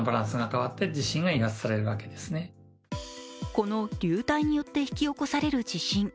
この流体によって引き起こされる地震。